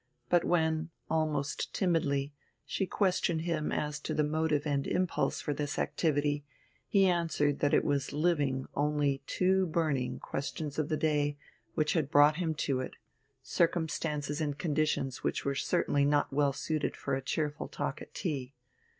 But when almost timidly she questioned him as to the motive and impulse for this activity, he answered that it was living, only too burning, questions of the day which had brought him to it: circumstances and conditions which were certainly not well suited for a cheerful talk at tea.